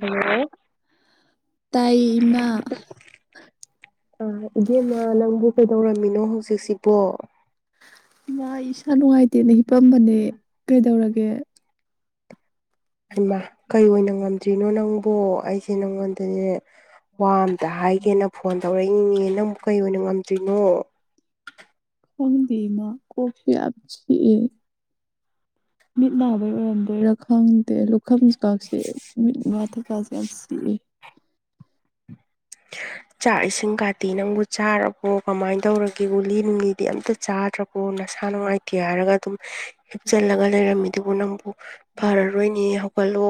ꯎ ꯍꯜꯂꯣ ꯇꯥꯏꯌꯦ ꯏꯃꯥ ꯑ ꯏꯕꯦꯝꯃ ꯅꯪꯕꯨ ꯀꯩꯗꯧꯔꯝꯃꯤꯅꯣ ꯍꯧꯖꯤꯛꯁꯤ ꯄꯣ ꯏꯁꯥꯅꯅꯨꯡ ꯍꯥꯏꯥꯏ ꯇꯦꯅ ꯍꯤꯄꯝꯕꯅꯦ ꯀꯩꯗꯧꯔꯒꯦ ꯍꯃꯥ ꯀꯩ ꯑꯣꯏꯅ ꯉꯝꯗꯔꯤ ꯣ ꯅꯪꯕꯨ ꯑꯩꯁꯦ ꯅꯪꯉꯣꯟꯗꯗꯤ ꯋꯥ ꯍꯥꯏꯒꯦꯅ ꯐꯣꯟ ꯇꯧꯔꯛꯏꯉ ꯅꯪ ꯑꯃꯨꯛ ꯀꯩ ꯑꯣꯏꯅ ꯉꯝꯗ꯭ꯣꯏꯅꯣ ꯍꯪꯕꯤꯃ ꯀꯣꯐꯤ ꯍꯥꯁꯤ ꯃꯤꯠ ꯅꯥꯕꯩ ꯑꯣꯏꯔꯝꯗꯣꯏꯔ ꯈꯪ ꯂꯨꯈ ꯑꯃ ꯑꯃꯁꯨꯡ ꯀꯥꯥꯁꯁꯤꯦ ꯋꯥꯊ ꯀꯥꯁꯁꯤꯦ ꯑꯁꯤ ꯆꯥꯛ ꯏꯁꯤꯡ ꯀꯥꯇꯤ ꯅꯪꯕꯨ ꯆꯥꯔꯕꯣ ꯀꯃꯥꯏꯅ ꯇꯧꯔꯒꯦ ꯒꯨꯂꯤ ꯅꯨꯡꯂꯤꯗꯤ ꯑꯝꯇ ꯆꯥꯗ꯭ꯔꯕꯣ ꯅꯁꯥ ꯅꯨꯡꯉꯥꯏꯇꯦ ꯍꯥꯏꯔꯒ ꯑꯗꯨꯝ ꯍꯤꯞꯆꯜꯂꯒ ꯂꯩꯔꯝꯃꯤ ꯑꯗꯨꯕꯨ ꯅꯪꯕꯨ ꯐꯔꯔꯣꯏꯅꯦ ꯍꯧ ꯐꯂꯣ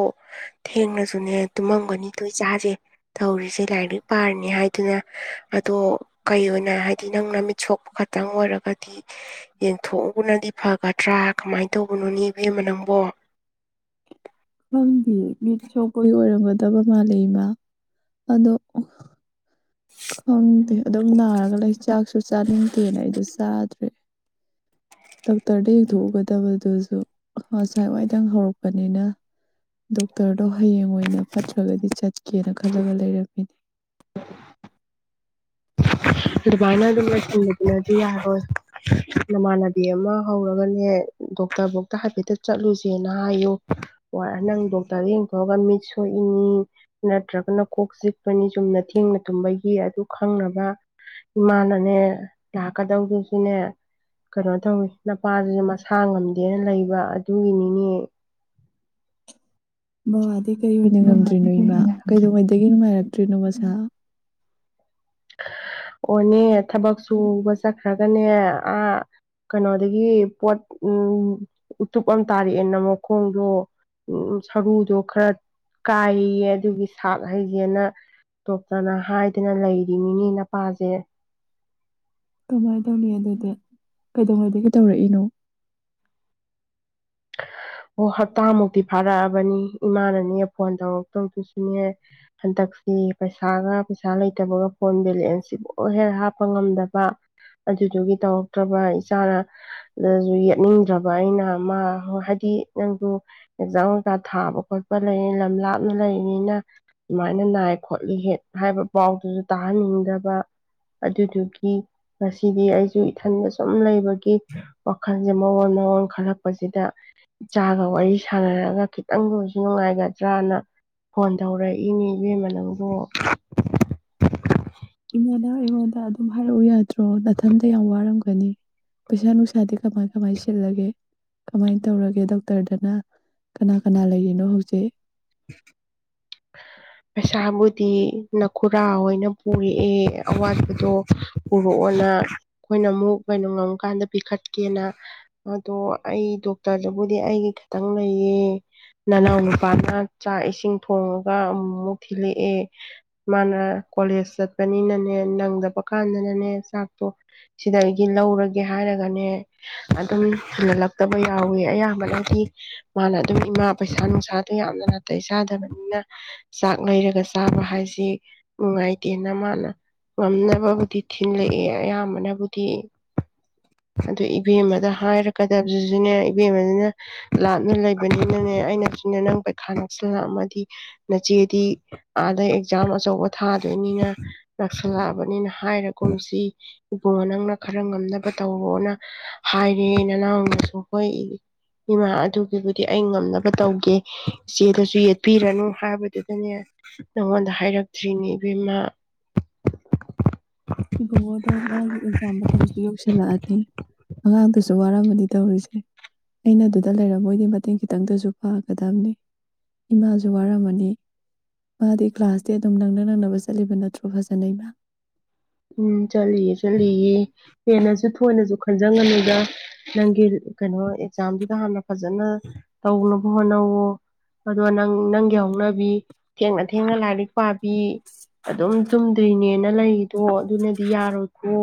ꯊꯦꯡꯅꯁꯨꯅꯦ ꯇꯨꯝꯃꯝꯒꯅꯤꯊꯣꯏ ꯆꯥꯁꯦ ꯇꯧꯔꯤꯁꯦ ꯂꯥꯏꯔꯤꯛ ꯄꯥꯔꯤꯅꯤ ꯍꯥꯏꯗꯨꯅ ꯑꯗꯣ ꯀꯩ ꯑꯣꯏꯅ ꯍꯥꯏꯗꯤ ꯅꯪꯅ ꯃꯤꯠ ꯁꯣꯛꯄ ꯈꯇꯪ ꯑꯣꯏꯔꯒꯗꯤ ꯌꯦꯡꯊꯣꯛꯎꯕꯅꯗꯤ ꯐꯒꯗ꯭ꯔꯥ ꯀꯃꯥꯏꯅ ꯇꯧꯕꯅꯣꯅꯦ ꯏꯕꯦꯝꯃ ꯅꯪꯕꯣ ꯁ ꯀꯣꯏ ꯑꯣꯏꯔꯝꯒꯗꯕ ꯃꯥꯜꯂꯤ ꯃꯥ ꯑꯗꯣ ꯈꯪꯗꯦ ꯑꯗꯨꯝ ꯅꯥꯔꯒ ꯂꯩ ꯆꯥꯛꯁꯨ ꯆꯥꯅꯤꯡꯗꯦꯅ ꯑꯩꯁꯨ ꯆꯥꯗ꯭ꯔꯦ ꯇꯥꯛ ꯇꯔ ꯊꯣꯛꯒꯗꯕ ꯑꯗꯨ ꯑꯗꯨ ꯉꯁꯥꯏ ꯋꯥꯏꯗꯪ ꯍꯧꯔꯛꯄꯅꯤꯅ ꯗꯣꯛꯇꯔꯗꯣ ꯍꯌꯦꯡ ꯑꯣꯏꯅ ꯐꯠꯇ꯭ꯔꯒꯗꯤ ꯆꯠꯀ ꯀꯦꯅ ꯈꯜꯂꯒ ꯂꯩꯔꯝꯃꯤꯅꯦ ꯑꯗꯨꯃꯥꯏꯅ ꯑꯗꯨꯝꯅꯗꯤ ꯌꯥꯔꯣꯏ ꯅꯃꯥꯟꯅꯕꯤ ꯑꯃ ꯍꯧꯔꯒꯅꯦ ꯗꯣꯛꯇꯔꯐꯧꯇ ꯍꯥꯏꯐꯦꯠꯇ ꯆꯠꯂꯨꯁꯦꯅ ꯍꯥꯏꯌꯨ ꯋꯥꯔ ꯅꯪ ꯇꯔꯗꯒꯤ ꯒꯥꯟ ꯃꯤꯆꯣꯏ ꯎꯝ ꯅꯠꯇ꯭ꯔ ꯀꯅ ꯀꯣꯛꯁꯤ ꯣꯏꯅꯤ ꯆꯨꯝꯅ ꯊꯦꯡꯅ ꯇꯨꯝꯕꯒꯤ ꯒꯤꯤ ꯑꯗꯨ ꯈꯪꯅꯕ ꯏꯃꯥꯅꯅꯦ ꯂꯥꯛꯀꯗꯧꯗꯨꯁꯨꯅꯦ ꯀꯩꯅꯣ ꯇꯧꯋꯤ ꯅꯄꯥꯁꯤꯁꯨ ꯃꯁꯥ ꯉꯝꯗꯦꯅ ꯂꯩ ꯑꯗꯨꯒꯤꯅꯤꯅꯦ ꯕꯕꯥꯗꯤ ꯀꯔꯤ ꯑꯣꯏꯅ ꯉꯝꯗ꯭ꯔꯤꯅꯣ ꯏꯃꯥ ꯀꯩꯗꯧꯉꯩꯗꯒꯤ ꯅꯨꯡꯉꯥꯏꯔꯛꯇ꯭ꯔꯤꯅꯣ ꯃꯁꯥ ꯑꯣꯅꯦ ꯊꯕꯛ ꯁꯨꯕ ꯆꯠꯈ꯭ꯔꯒꯅꯦ ꯑ ꯀꯩꯅꯣꯗꯒꯤ ꯄꯣꯠ ꯎ ꯎꯇꯨꯞ ꯑꯃ ꯇꯥꯔꯛꯑꯦꯅ ꯃꯈꯣꯡꯗꯣ ꯎ ꯁꯔꯨꯗꯣ ꯈꯔ ꯀꯥꯏꯌꯦ ꯑꯗꯨꯒꯤ ꯁꯥꯛ ꯍꯥꯏꯁꯦꯅ ꯇꯣꯞꯇꯅ ꯍꯥꯏꯗꯅ ꯃꯤꯅꯦ ꯅꯄꯥꯁꯦ ꯀꯃꯥꯏꯅ ꯇꯧꯅꯤ ꯑꯗꯨꯗꯤ ꯎꯝ ꯀꯩꯗꯧꯉꯩꯗꯒꯤ ꯇꯧꯔꯛꯏꯅꯣ ꯑꯣ ꯍꯇꯥꯃꯨꯛꯇ ꯐꯥꯔ ꯏꯃꯥꯅꯅꯦ ꯐꯣꯟ ꯇꯧꯔꯛꯇꯧꯗꯨꯁꯨꯅꯦ ꯍꯟꯗꯛꯁꯤ ꯄꯩꯁꯥꯒ ꯄꯩꯁꯥ ꯂꯩꯇꯕꯒ ꯐꯣꯟ ꯕꯦꯂꯦꯟꯁꯁꯤ ꯂꯣꯏ ꯍꯦꯛ ꯍꯥꯞꯄ ꯉꯝꯗꯕ ꯑꯗꯨꯗꯨꯒꯤ ꯇꯧꯔꯛꯇ꯭ꯔꯕ ꯏꯆꯥꯅ ꯑꯗꯨꯁꯨ ꯌꯦꯠꯅꯤꯡꯗ꯭ꯔꯕ ꯑꯩꯅ ꯣ ꯍꯥꯏ ꯅꯪꯗꯨ ꯑꯦꯛꯖꯥꯡ ꯩꯖꯥ ꯊꯥꯕ ꯈꯣꯠꯄ ꯂꯩ ꯂꯝ ꯂꯥꯞꯅ ꯂꯩ ꯃꯤꯅ ꯁꯨꯃꯥꯏꯅ ꯅꯥꯏ ꯈꯣꯠꯂꯤ ꯍꯦꯛ ꯍꯥꯏꯕ ꯄꯥꯎꯗꯨꯁꯨ ꯇꯥꯍꯟꯅꯤꯡꯗꯕ ꯑꯗꯨꯗꯨꯒꯤ ꯉꯁꯤꯗꯤ ꯑꯩꯁꯨ ꯏꯊꯟꯗ ꯁꯨꯝ ꯂꯩꯕꯒꯤ ꯋꯥꯈꯜꯁꯦ ꯃꯑꯣꯣꯟ ꯃꯑꯣꯣꯟ ꯈꯜꯂꯛꯄꯁꯤꯗ ꯏꯆꯥꯒ ꯋꯥꯔꯤ ꯁꯥꯟꯅꯔꯒ ꯈꯤꯇꯪ ꯂꯨꯁꯨ ꯅꯨꯡꯉꯥꯏꯒꯗ꯭ꯔꯅ ꯐꯣꯟ ꯇꯧꯔꯛꯏꯅꯤ ꯏꯕꯦꯝ ꯃꯅꯪꯕꯨ ꯏꯉꯣꯟꯗ ꯑꯩꯉꯣꯟꯗ ꯑꯗꯨꯝ ꯍꯥꯏꯔꯛꯎ ꯌꯥꯗꯦ ꯅꯠꯇ꯭ꯔꯣ ꯅꯥꯊꯟꯇ ꯌꯥꯝ ꯋꯥꯔꯝꯒꯅꯤ ꯄꯩꯁꯥꯨ ꯁꯥꯗꯤ ꯀꯃꯥꯏ ꯀꯃꯥꯏꯁꯤ ꯂꯒꯦ ꯀꯃꯥꯏꯅ ꯇꯧꯔꯒꯦ ꯗꯣꯛꯇꯔꯗꯅ ꯀꯅꯥ ꯀꯅꯥ ꯂꯩꯔꯤꯅꯣ ꯍꯧꯖꯤꯛ ꯄꯩꯁꯥꯕꯨꯗꯤ ꯅꯈꯨꯔꯥ ꯑꯣꯏꯅ ꯄꯨꯔꯛꯑꯦ ꯑꯋꯥꯠꯄꯗꯣ ꯄꯨꯔꯛꯑꯣꯅ ꯑꯩꯈꯣꯏꯅ ꯑꯃꯨꯛ ꯀꯩꯅꯣ ꯉꯝꯀꯥꯟꯗ ꯄꯤꯈꯠꯀꯦꯅ ꯑꯗꯣ ꯑꯩ ꯗꯣꯛꯇꯔꯗꯨꯕꯨꯗꯤ ꯑꯩꯒꯤ ꯈꯤꯇꯪ ꯂꯩꯌꯦ ꯅꯅꯥꯎ ꯅꯨꯄꯥꯅ ꯆꯥꯛ ꯏꯁꯤꯡ ꯊꯣꯡꯉꯒ ꯑꯃꯨ ꯃꯨꯛ ꯊꯤꯜꯂꯛꯑꯦ ꯃꯥꯥꯅ ꯀꯣꯂꯦꯖ ꯆꯠ ꯄꯅꯤꯅꯅꯦ ꯅꯪꯗꯕ ꯀꯥꯟꯗꯅꯅꯦ ꯆꯥꯛꯇꯣ ꯁꯤꯗ ꯑꯩꯒꯤ ꯂꯧꯔꯒꯦ ꯍꯥꯏꯔꯒꯅꯦ ꯑꯗꯨꯝ ꯍꯦꯟꯒꯠꯂꯛꯇꯕ ꯌꯥꯎꯋꯤ ꯑꯌꯥꯝꯕꯅꯗꯤ ꯃꯥꯅ ꯑꯗꯨꯝ ꯏꯃꯥ ꯄꯩꯁꯥ ꯅꯨꯡꯁꯥ ꯑꯗꯨ ꯌꯥꯝꯅ ꯅꯥꯇꯩ ꯆꯥꯗꯕꯅꯤꯅ ꯆꯥꯛ ꯂꯪꯔꯒ ꯆꯥꯕ ꯍꯥꯏꯁꯤ ꯁꯤ ꯅꯨꯡꯉꯥꯏꯇꯦꯅ ꯃꯥꯅ ꯉꯝꯅꯕꯕꯨꯗꯤ ꯊꯤꯜꯂꯛꯑꯦ ꯑꯌꯥꯝꯕꯅꯕꯨꯗꯤ ꯑꯗꯨ ꯏꯕꯦꯝꯃꯗ ꯍꯥꯏꯔ ꯀꯗꯕꯁꯤꯁꯨꯅꯦ ꯏꯕꯦꯝꯃꯅ ꯂꯥꯞꯅ ꯂꯩꯕꯅꯤꯅꯅꯦ ꯑꯩꯅ ꯅ ꯅꯪ ꯄꯩꯈꯥ ꯅꯛꯁꯤꯜꯂꯛ ꯑꯝꯃꯗꯤ ꯅ ꯆꯦꯗꯤ ꯑꯥꯗ ꯑꯦꯛꯖꯥꯝ ꯑꯆꯧꯕ ꯊꯥꯗꯣꯏꯅꯤꯅ ꯅꯥꯛꯁꯜꯂꯛꯑꯕꯅꯤꯅ ꯍꯥꯏꯔꯒꯨꯝꯁꯤ ꯏꯕꯨꯡꯉꯣ ꯅꯪꯅ ꯈꯔ ꯉꯝꯅꯕ ꯇꯧ ꯍꯣꯅ ꯍꯥꯏꯔꯦ ꯅꯅꯥꯎꯅꯁꯨ ꯍꯣꯏ ꯏꯃꯥ ꯑꯗꯨꯒꯤꯕꯨꯗꯤ ꯑꯩ ꯉꯝꯅꯕ ꯇꯧꯒꯦ ꯏꯆꯦꯗꯁꯨ ꯌꯦꯠꯄꯤꯔꯅꯨ ꯍꯥꯏꯕꯗꯨꯗꯅꯦ ꯅꯉꯣꯟꯗ ꯍꯥꯏꯔꯛꯇ꯭ꯔꯤꯅꯦ ꯕꯦꯝꯃꯥ ꯏꯕꯨꯡꯉꯣꯗꯣ ꯃꯥꯒꯤ ꯑꯦꯛꯖꯥꯝ ꯃꯇꯝꯁꯨ ꯌꯧꯁꯤꯜꯂꯛꯑꯗꯤ ꯑꯉꯥꯡꯗꯨꯁꯨ ꯋꯥꯔꯝꯃꯗꯤ ꯇꯧꯔꯤꯁꯦ ꯑꯩꯅ ꯑꯗꯨꯗ ꯂꯩꯔꯕꯣꯏꯗꯤ ꯃꯇꯦꯡ ꯈꯤꯇꯪꯗꯁꯨ ꯄꯥꯡꯒꯗꯝꯅꯤ ꯏꯃꯥꯁꯨ ꯋꯥꯔꯝꯃꯅꯤ ꯃꯥꯗꯤ ꯀ꯭ꯂꯥꯁꯇꯤ ꯑꯗꯨꯝ ꯅꯪꯅ ꯅꯪꯅꯕ ꯆꯠꯂꯤꯕ ꯅꯠꯇ꯭ꯔꯣ ꯀꯐꯥꯖꯅꯦꯃ ꯎꯝ ꯆꯠꯂꯤꯌꯦ ꯆꯠꯂꯤꯌꯦ ꯍꯦꯟꯅꯁꯨ ꯊꯣꯏꯅꯁꯨ ꯈꯟꯖꯟ ꯒꯅꯨꯗꯥ ꯅꯪ ꯀꯩꯅꯣ ꯑꯦꯛꯖꯥꯝꯗꯨꯗ ꯍꯥꯟꯅ ꯐꯖꯅ [unintelligible] ꯑꯗꯣ ꯅꯪ ꯅꯪꯒꯤ ꯍꯧꯅꯕꯤ ꯊꯦꯡꯅ ꯊꯦꯡꯅ ꯂꯥꯏꯔꯤꯛ ꯄꯥꯕꯤ ꯑꯗꯨꯝ ꯇꯨꯝꯗ꯭ꯔꯤꯅꯦꯅ ꯂꯩ ꯇꯣ ꯑꯗꯨꯅꯗꯤ ꯌꯥꯔꯣꯏꯀꯣ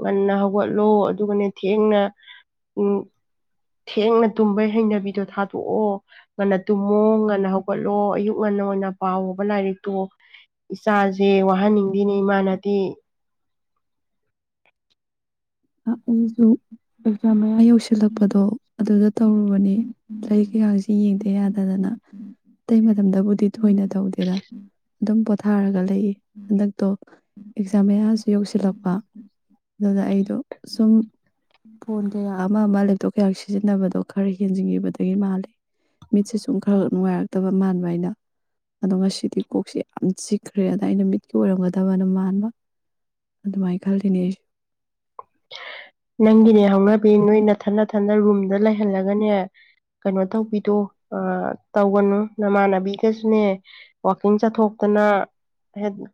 ꯉꯟꯅ ꯍꯧꯒꯠꯂꯣ ꯑꯗꯨꯒꯅꯦ ꯊꯦꯡꯅ ꯎꯝ ꯊꯦꯡꯅ ꯇꯨꯝꯕꯩ ꯍꯩꯅꯕꯤꯗꯣ ꯊꯥꯗꯣꯛ ꯑꯣ ꯉꯟꯅ ꯇꯨꯝꯃꯣ ꯉꯟꯅ ꯍꯧꯒꯠ ꯂꯣ ꯑꯌꯨꯛ ꯉꯟꯅ ꯑꯣꯏꯅ ꯄꯥꯎꯑꯣ ꯕ ꯂꯥꯏꯔꯤꯛꯇꯣ ꯏꯁꯥꯁꯦ ꯋꯥꯍꯟꯅꯤꯡꯗꯦꯅꯦ ꯏꯃꯥꯅꯦ ꯇ ꯑꯩꯁꯨ ꯑꯦꯛꯖꯥꯝ ꯃꯌꯥ ꯌꯧꯁꯤꯜꯂꯛꯄꯗꯣ ꯑꯗꯨꯗ ꯇꯧꯔꯨ ꯇꯅꯤ ꯂꯩꯛ ꯀꯩꯀꯁꯤ ꯌꯦꯡꯗꯦ ꯌꯥꯗꯗꯅ ꯑꯇꯩ ꯃꯇꯝꯗꯕꯨꯗꯤ ꯊꯣꯏꯅ ꯇꯧꯗꯦꯗ ꯑꯗꯨꯝ ꯄꯣꯊꯥꯔꯒ ꯂꯩ ꯍꯟꯗꯛꯇꯣ ꯑꯦꯛꯖꯥꯝ ꯃꯌꯥꯁꯨ ꯌꯧꯁꯤꯜꯂꯛꯄ ꯑꯗꯨꯅ ꯑꯩꯗꯣ ꯁꯨꯝ ꯐꯣꯟ ꯀꯌꯥ ꯑꯃ ꯑꯃ ꯂꯦꯞꯇꯣꯞ ꯀꯌꯥ ꯁꯤꯖꯤꯟꯅꯕꯗꯣ ꯈꯔ ꯍꯦꯟꯖꯤꯟꯤꯕꯗꯒꯤ ꯃꯥꯜꯂꯤꯦ ꯃꯤꯠꯁꯦ ꯁꯨꯝ ꯈꯔ ꯅꯨꯡꯉꯥꯏꯔꯛꯇꯕ ꯃꯥꯟꯕ ꯑꯩꯅ ꯑꯗꯣ ꯉꯁꯤꯗꯤ ꯀꯣꯛꯁꯦ ꯌꯥꯝ ꯆꯤꯛꯈ꯭ꯔꯦ ꯑꯗ ꯑꯩꯅ ꯃꯤꯠꯀꯤ ꯑꯣꯏꯔꯝꯒꯗꯕꯅ ꯃꯥꯟꯕ ꯑꯗꯨꯃꯥꯏꯅ ꯈꯜꯂꯤꯅꯦ ꯑꯩꯁꯨ ꯅꯪꯒꯤꯅꯦ ꯍꯧꯅꯕꯤ ꯅꯣꯏ ꯑꯩꯅꯊꯟꯟꯅ ꯊꯟꯅ ꯔꯨꯝꯗ ꯂꯩꯍꯜꯂꯒꯅꯦ ꯀꯩꯅꯣ ꯇꯧꯕꯤꯗꯣ ꯑ ꯇꯧꯒꯅꯨ ꯅꯃꯥꯟꯅꯕꯤꯒꯁꯨꯅꯦ ꯋꯀꯤꯡ ꯆꯠꯊꯣꯛꯇꯅ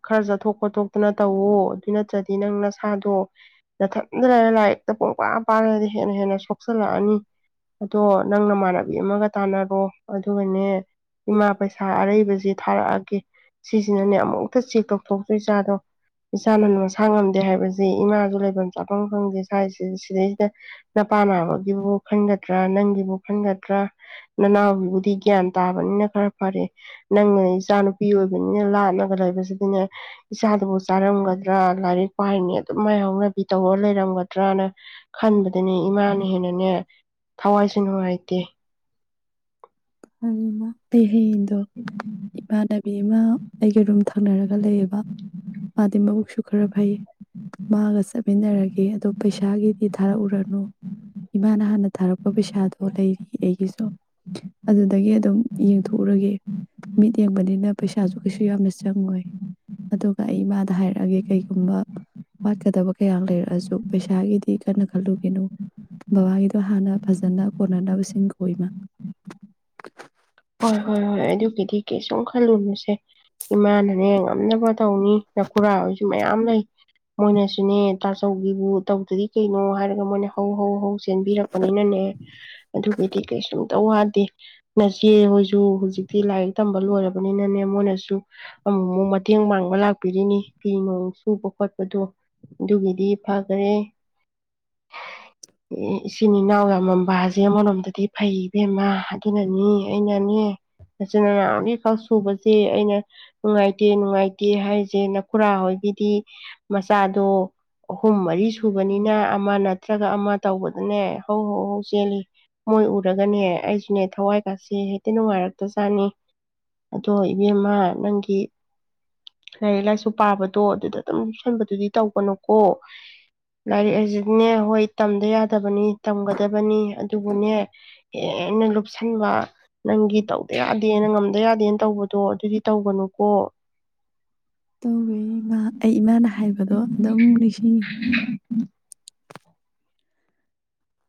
ꯈꯔ ꯆꯠꯊꯣꯛ ꯈꯣꯠꯇꯣꯛꯇꯅ ꯇꯧꯋ ꯑꯗꯨꯅ ꯆꯠ ꯗꯤ ꯅꯪ ꯅꯁꯥꯗꯣ ꯌꯥꯝ ꯊ ꯂꯥꯏꯛꯇꯣ ꯄ ꯄꯥꯔꯗꯤ ꯍꯦꯟꯅ ꯍꯦꯟꯅ ꯁꯣꯛꯆꯜꯂꯛꯑꯅꯤ ꯑꯗꯣ ꯅꯪꯅ ꯃꯥꯥꯟꯅ ꯀꯕꯤ ꯑꯃꯒ ꯇꯥꯟꯅꯔꯣ ꯑꯗꯨꯒꯅꯦ ꯏꯃꯥ ꯄꯩꯁꯥ ꯑꯔꯩꯕꯁꯦ ꯊꯥꯔꯛꯑꯒꯦ ꯁꯤꯁꯤꯅꯅꯦ ꯑꯃꯨꯛꯇ ꯆꯦꯛ ꯇꯧ ꯊꯣꯛꯇꯣꯏ ꯆꯥꯗꯣ ꯏ ꯆꯥꯅꯅꯣ ꯁꯥꯡꯉꯝ ꯍꯥꯏꯕꯁꯤ ꯏꯃꯥꯁꯨ ꯐꯐꯝ ꯆꯥꯐꯝ ꯐꯪꯗꯦ ꯁꯥꯏꯁꯤ ꯁꯤꯗꯩꯁꯤꯗ ꯅ ꯄꯅ ꯋꯥꯒꯤꯕꯨ ꯈꯟꯒꯗ꯭ꯔꯥ ꯅꯪꯒꯤꯕꯨ ꯈꯟꯒꯗ꯭ꯔꯥ ꯅꯅꯥ ꯎꯔꯤꯒꯌꯥ ꯇꯥꯕꯅꯤꯅ ꯈꯔ ꯐꯔꯦ ꯅꯪꯅ ꯏꯆꯥ ꯅꯨꯨꯄꯤ ꯑꯣꯏꯕ ꯑꯗꯨꯅ ꯂꯥꯠꯅꯒ ꯂꯩꯕꯁꯤꯗꯤꯅꯦ ꯁꯥꯕꯨꯣ ꯆꯥꯔꯒ ꯂꯥꯏꯔꯤꯛ ꯄꯥꯏꯅꯤ ꯑꯗꯨꯝ ꯃꯥꯏꯍꯅ ꯏ ꯇꯧꯔ ꯂꯩꯔꯝꯒꯗ꯭ꯔꯅ ꯈꯟꯕꯗꯨꯅꯦ ꯏꯃꯥ ꯦꯅꯦ ꯊꯋꯥꯏꯁꯨ ꯅꯨꯡꯉꯥꯏꯇꯦ ꯑꯩ ꯍꯌꯦꯡꯗꯣ ꯏꯃꯥꯟꯅꯕꯤ ꯑꯃ ꯑꯩꯒ ꯔꯨꯝ ꯊꯪꯅꯔꯒ ꯂꯩꯑꯕ ꯃꯥꯗꯤ ꯃꯕꯨꯛꯁꯨ ꯈꯔ ꯐꯩ ꯃꯥꯒ ꯆꯠꯃꯤꯟꯅꯔꯒꯦ ꯑꯗꯣ ꯄꯩꯁꯥꯒꯤꯗꯤ ꯊꯥꯔꯛꯎꯔꯅꯨ ꯏꯃꯥꯅ ꯍꯥꯟꯅ ꯊꯥꯔꯛꯄ ꯄꯩꯁꯥꯗꯣ ꯂꯩꯔꯤ ꯑꯩꯒꯤꯁꯨ ꯑꯗꯨꯗꯒꯤ ꯑꯗꯨꯝ ꯌꯦꯡꯊꯣꯛꯎꯔꯒꯦ ꯃꯤꯠ ꯌꯦꯡꯕꯅꯤꯅ ꯄꯩꯁꯥꯁꯨ ꯀꯩꯁꯨ ꯌꯥꯝꯅ ꯆꯪꯉꯣꯏ ꯑꯗꯨꯒ ꯑꯩ ꯏꯃꯥꯗ ꯍꯥꯏꯔꯛꯦ ꯍꯥꯏꯒꯦ ꯀꯩꯒꯨꯝꯕ ꯋꯥꯠꯀꯗꯕ ꯀꯌꯥ ꯂꯩꯔꯛꯑꯁꯨ ꯄꯩꯁꯥꯒꯤꯗꯤ ꯀꯟꯅ ꯈꯜꯂꯨꯒꯦꯅꯣ ꯕꯕꯥꯒꯤꯗꯣ ꯍꯥꯟꯅ ꯐꯖꯅ ꯀꯣꯟꯅꯅꯕꯁꯤꯡ ꯀꯣꯏꯃ ꯍꯣꯏ ꯍꯣꯏ ꯍꯣꯏ ꯑꯗꯨꯒꯤꯗꯤ ꯀꯩꯁꯨꯝ ꯈꯜꯂꯨꯨꯔꯨꯁꯦ ꯏꯃꯥꯅꯅꯦ ꯉꯝꯅꯕ ꯇꯧꯅꯤ ꯅꯀꯨꯔꯥ ꯑꯣꯏꯁꯨ ꯃꯌꯥꯝ ꯂꯩ ꯃꯣꯏꯅꯁꯨꯅꯦ ꯇꯥꯆꯧꯒꯤꯕꯨ ꯇꯧꯗꯗꯤ ꯀꯩꯅꯣ ꯍꯥꯏꯔꯒ ꯃꯣꯏꯅ ꯍꯧ ꯍꯧ ꯍꯧꯁ ꯆꯦꯟꯕꯤꯔꯛꯄꯅꯤꯅꯅꯦ ꯑꯗꯨꯒꯤꯗꯤ ꯀꯩꯁꯨꯝ ꯇ ꯋꯥꯗꯦ ꯏꯆꯦ ꯍꯣꯏꯁꯨ ꯍꯧꯖꯤꯛꯇꯤ ꯂꯥꯏꯔꯤꯛ ꯇꯝꯕ ꯂꯣꯏꯔꯕꯅꯤꯅꯅꯦ ꯃꯣꯏꯅꯁꯨ ꯑꯃꯨꯛ ꯑꯃꯨꯛ ꯃꯇꯦꯡ ꯄꯥꯡꯕ ꯂꯥꯛꯄꯤꯔꯤꯅꯤ ꯐꯤ ꯅꯣꯡ ꯁꯨꯕ ꯈꯣꯠꯄꯗꯣ ꯑꯗꯨꯒꯤꯗꯤ ꯐꯈꯔꯦ ꯏꯆꯤꯟ ꯏꯅꯥꯎ ꯌꯥꯝꯃꯕꯥꯁꯦ ꯑꯃꯔꯣꯝꯗꯗꯤ ꯐꯩꯕꯦꯝꯃ ꯑꯗꯨꯅꯅꯤ ꯑꯩꯅꯅꯦ ꯅꯒꯤ ꯀ ꯁꯨꯕꯁꯤ ꯑꯩꯅ ꯅꯨꯡꯉꯥꯏꯇꯦ ꯅꯨꯡꯉꯥꯏꯇꯦ ꯍꯥꯏꯔꯤꯁꯦ ꯅꯈꯨꯔꯥ ꯍꯣꯏꯒꯤꯗꯤ ꯃꯆꯥꯗꯣ ꯑꯍꯨꯝ ꯃꯔꯤ ꯁꯨꯕꯅꯤꯅ ꯑꯃ ꯅꯠꯇ꯭ꯔꯒ ꯑꯃ ꯇꯧꯕꯗꯅꯦ ꯍꯧ ꯍꯧ ꯍꯧ ꯆꯦꯜꯂꯤ ꯃꯣꯏ ꯎꯔꯒꯅꯦ ꯑꯩꯁꯨꯅꯦ ꯊꯋꯥꯏ ꯆ ꯆꯁꯤꯦ ꯍꯦꯛꯇ ꯅꯨꯡꯉꯥꯏꯔꯛꯇꯖꯥꯠꯅꯤ ꯑꯗꯣ ꯏꯕꯦꯝꯃ ꯅꯪꯒꯤ ꯂꯥꯏꯔꯤꯛ ꯂꯥꯏꯁꯨ ꯄꯥꯕꯗꯣ ꯑꯗꯨꯗ ꯑꯗꯨꯝꯨꯞ ꯁꯟꯕꯗꯨꯗꯤ ꯇꯧꯕꯅꯨꯀꯣ ꯂꯥꯏꯔꯤꯛ ꯍꯧꯁꯨꯅꯦ ꯍꯣꯏ ꯇꯝꯗ ꯌꯥꯗꯕꯅꯤ ꯇꯝꯒꯗꯕꯅꯤ ꯑꯗꯨꯕꯨꯅꯦ ꯍꯟꯅ ꯂꯨꯞ ꯑꯗꯨꯒꯕ ꯅꯪꯒ ꯇꯥꯎꯗꯦ ꯌꯥꯗꯦꯅ ꯉꯝꯗ ꯌꯥꯗꯦꯅ ꯇꯧꯕꯗꯣ ꯑꯗꯨꯗꯤ ꯇꯧꯕꯅꯨꯀꯣ ꯇꯧꯋꯦ ꯏꯃꯥ ꯑꯩ ꯏꯃꯥꯅ ꯍꯥꯏꯕꯗꯣ ꯑꯗꯨꯝ ꯅꯤꯡꯁꯤꯡꯉꯤ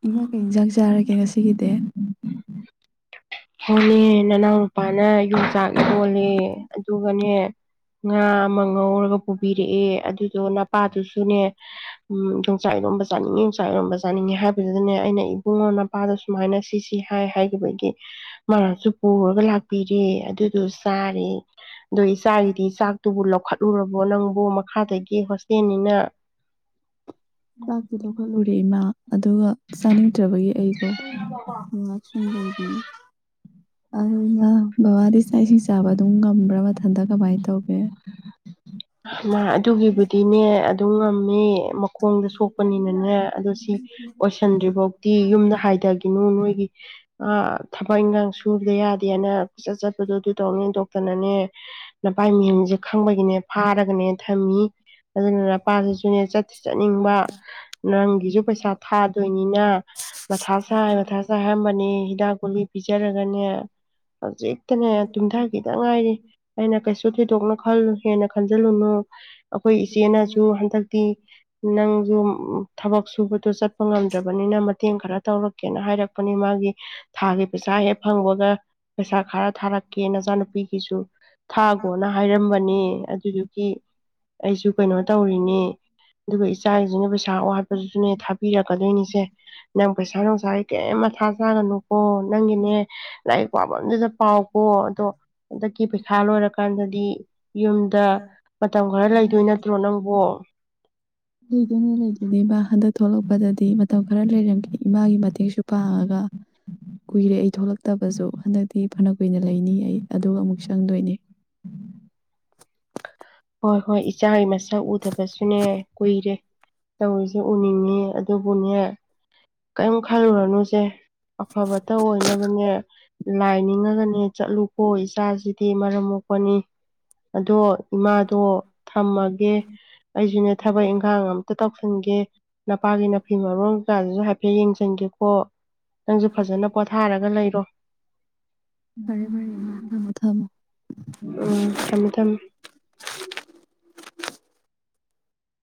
ꯏꯃꯥꯒꯩ ꯏꯟꯁꯥꯡ ꯆꯥꯔꯒꯦ ꯉꯁꯤꯒꯤꯗꯤ ꯍꯣꯅꯦ ꯅꯅꯥꯎ ꯅꯨꯄꯥꯅ ꯌꯣꯡꯆꯥꯛ ꯏ ꯌꯣꯜꯂꯦ ꯑꯗꯨꯒꯅꯦ ꯉꯥ ꯑꯃ ꯉꯧꯔꯒ ꯄꯨꯕꯤꯔꯛꯑꯦ ꯑꯗꯨꯗꯣ ꯅꯄꯥꯗꯨꯁꯨꯅꯦ ꯎꯝ ꯌꯣꯡꯆꯥꯛ ꯏꯔꯣꯝꯕ ꯆꯥꯅꯤꯡꯉꯤ ꯌꯣꯡꯆꯥꯛ ꯏꯔꯣꯝꯕ ꯆꯥꯅꯤꯡꯉꯤ ꯍꯥꯏꯕꯗꯨꯗꯅꯦ ꯑꯩꯅ ꯏꯕꯨꯡꯉꯣ ꯅꯄꯥꯗꯣ ꯁꯨꯃꯥꯏꯅ ꯁꯤ ꯁꯤ ꯍꯥꯏ ꯍꯥꯏꯈꯤꯕꯒꯤ ꯃꯔꯔꯁꯨ ꯄꯨꯔꯒ ꯂꯥꯛ ꯄꯤꯔꯦ ꯑꯗꯨꯗꯣ ꯆꯥꯔꯦ ꯑꯗꯣ ꯏꯆꯥꯒꯤꯗꯤ ꯆꯥꯛꯇꯨꯕꯨ ꯂꯧꯈꯠ ꯂꯨꯔꯕꯣ ꯅꯪꯕꯨ ꯃꯈꯥꯗꯒꯤ ꯍꯣꯁꯇꯦꯜꯅꯤꯅ ꯆꯥꯛꯇ ꯂꯧꯈꯠꯂꯨꯔꯦ ꯏꯃꯥ ꯑꯗꯨꯒ ꯆꯥꯅꯤꯡꯗꯕꯒꯤ ꯑꯩꯗꯣ ꯉꯥꯛꯕꯅꯤ ꯑꯗꯨ ꯕꯕꯥꯗꯤ ꯆꯥꯛ ꯏꯁꯤꯡ ꯆꯥꯕ ꯑꯗꯨꯝ ꯉꯝꯕ꯭ꯔꯥ ꯃꯊꯟꯇ ꯀꯃꯥꯏꯅ ꯇꯧꯒꯦ ꯑꯗꯨꯨꯡ ꯑꯃ ꯈꯣꯡꯗ ꯁꯣꯛꯄꯅꯤꯅꯅꯦ ꯑꯗꯣ ꯁꯤ ꯑꯣꯏꯁꯟꯗ꯭ꯔꯤꯐꯥꯎꯗꯤꯤ ꯌꯨꯝꯗ ꯍꯥꯏꯊꯈꯤꯅꯨ ꯅꯣꯏꯒꯤ ꯑ ꯊꯕꯛ ꯏꯪꯒꯥꯡ ꯁꯨꯕꯗ ꯌꯥꯗꯦꯅꯆꯠ ꯆꯠꯄꯗꯨꯣ ꯑꯗꯨ ꯇꯧꯅꯤ ꯗꯣꯛꯇꯔꯅꯅꯦ ꯅꯄꯥꯥꯏ ꯃꯤꯌꯨꯝꯁꯦ ꯈꯪꯕꯒꯤꯅꯦ ꯐꯥꯔꯒꯅꯦ ꯊꯝꯃꯤ ꯑꯗꯨꯅ ꯅꯨꯄꯥꯁꯤꯁꯨꯅꯦ ꯆꯥꯠ ꯊꯤꯆꯠꯅꯤꯡꯕ ꯅꯪꯒꯤꯁꯨ ꯄꯩꯁꯥ ꯊꯥꯗꯣꯏꯅꯤꯅ ꯃꯊꯥ ꯁꯥꯏ - ꯃꯊꯥ ꯁꯥꯏ ꯍꯥꯏꯔꯝꯕꯅꯤ꯫ ꯗ ꯒꯣꯂꯤ ꯄꯤꯖꯔꯥ ꯅꯅꯦ ꯍꯧꯖꯤꯛꯇꯅꯦ ꯇꯨꯝꯊ ꯈꯤꯇ ꯉꯥꯏꯔꯤ꯫ ꯑꯩꯅ ꯀꯩꯁꯨ ꯊꯣꯏꯗꯣꯛꯅ ꯈꯜꯂꯨ ꯍꯦꯟꯅ ꯈꯟꯖꯤꯜꯂꯨꯅꯨ ꯑꯩꯈꯣꯏ ꯏꯆꯦꯅꯁꯨ ꯍꯟꯗꯛꯇꯤ ꯅꯪꯁꯨ ꯊꯕꯛ ꯁꯨꯕꯗꯣ ꯆꯠꯄ ꯉꯝꯗ꯭ꯔꯕꯅꯤꯅ ꯃꯇꯦꯡ ꯈꯔ ꯇꯧꯔꯛꯀꯦꯅ ꯍꯥꯏꯔꯛꯄꯅꯤ ꯃꯥꯒꯤ ꯊꯥꯒꯤ ꯄꯩꯁꯥ ꯍꯦꯛ ꯐꯪꯕꯒ ꯄꯩꯁꯥ ꯈꯔ ꯊꯥꯔꯛꯀꯦ ꯅꯆꯥꯅꯨꯄꯤꯒꯤꯁꯨ ꯊꯥꯈꯣꯅ ꯍꯥꯏꯔꯝꯕꯅꯦ ꯑꯗꯨꯗꯨ [inaudible] ꯑꯩꯁꯨ ꯀꯩꯅꯣ ꯇꯧꯔꯤꯅꯦ ꯑꯗꯨꯒ ꯏꯆꯥꯁꯤꯅ ꯄꯩꯁꯥ ꯋꯥ [unintelligible] ꯊꯥ ꯄꯤꯔꯛꯀꯗꯣꯏꯅꯤꯁꯦ ꯅꯪ ꯄꯩꯁꯥ ꯅꯨꯡꯁꯥꯒꯤ ꯀꯔꯤꯝ ꯃꯊꯥ ꯆꯥꯒꯅꯨꯀꯣ ꯅꯪꯒꯤꯅꯦ ꯂꯥꯏꯔꯤꯛ ꯄꯥꯕꯝꯗꯨꯗ ꯄꯥꯎꯀꯣ ꯑꯗꯣ ꯍꯟꯗꯛꯀꯤ ꯄꯩꯈꯥ ꯂꯣꯏꯔꯀꯥꯟꯗꯗꯤ ꯌꯨꯝꯗ ꯃꯇꯝ ꯈꯔ ꯂꯩꯗꯣꯏ ꯅꯠꯇ꯭ꯔꯣ ꯅꯪꯕꯣ? ꯂꯩꯗꯣꯏꯅꯦ - ꯂꯩꯗꯣꯏꯅꯦꯕ ꯍꯟꯗꯛ ꯊꯣꯛꯂꯛꯄꯗꯗꯤ ꯃꯇꯝ ꯈꯔ ꯂꯩꯔꯝꯒꯦ ꯏꯃꯥꯒꯤ ꯃꯇꯦꯡꯁꯨ ꯄꯥꯡꯉꯒ ꯀꯨꯏꯔꯦ ꯑꯩ ꯊꯣꯛꯂꯛ ꯇꯕꯁꯨ ꯍꯟꯗꯛꯇꯤ ꯐꯅ ꯀꯨꯏꯅ ꯂꯩꯅꯤ ꯑꯩ ꯑꯗꯨꯒ ꯑꯃꯨꯛ ꯆꯪꯗꯣꯏꯅꯦ꯫ ꯍꯣꯏ- ꯍꯣꯏ ꯏꯆꯥꯒꯤ ꯃꯁꯛ ꯎꯗꯕꯁꯨꯅꯦ ꯀꯨꯏꯔꯦ ꯇꯧꯔꯤꯁꯦ ꯎꯅꯤꯡꯉꯤ ꯑꯗꯨꯕꯨꯅꯦ ꯀꯩꯝ ꯈꯜꯂꯨꯔꯅꯨꯁꯦ ꯑꯐꯕꯇ ꯑꯣꯏꯅꯕꯅꯦ ꯂꯥꯏ ꯅꯤꯡꯉꯒꯅꯦ ꯆꯠꯂꯨꯀꯣ ꯏꯆꯥꯁꯤꯗꯤ ꯃꯔꯝ ꯃꯣꯛꯄꯅꯤ ꯑꯗꯣ ꯏꯃꯥꯗꯣ ꯊꯝꯃꯒꯦ ꯑꯩꯁꯨꯅꯦ ꯊꯕꯛ ꯏꯪꯈꯥꯡ ꯑꯝꯇ ꯇꯧꯁꯤꯟꯒꯦ ꯅꯄꯥꯒꯤ ꯅꯥꯐꯤ ꯃꯔꯣꯟ ꯀꯌꯥꯗꯨꯁꯨ ꯍꯥꯏꯐꯦꯠ ꯌꯦꯡꯁꯤꯟꯒꯦꯀꯣ꯫ ꯅꯪꯁꯨ ꯐꯖꯅ ꯄꯣꯊꯥꯔꯒ ꯂꯩꯔꯣ꯫ ꯐꯔꯦ - ꯐꯔꯦ ꯏꯃꯥ ꯊꯝꯃꯣ - ꯊꯝꯃꯣ꯫ ꯎꯝ ꯊꯝꯃꯦ- ꯊꯝꯃꯦ꯫